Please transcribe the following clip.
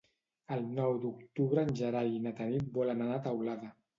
El nou d'octubre en Gerai i na Tanit volen anar a Teulada.